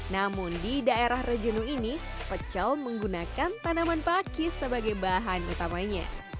namun di daerah rejenu ini pecel menggunakan tanaman pakis sebagai bahan utamanya